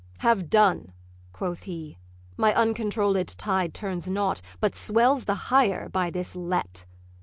'Have done,' quoth he: 'my uncontrolled tide Turns not, but swells the higher by this let.